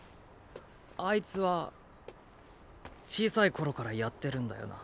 あいつは小さい頃からやってるんだよな？